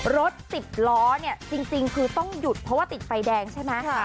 รถ๑๐ล้อเนี่ยจริงคือต้องหยุดเพราะว่าติดไฟแดงใช่ไหม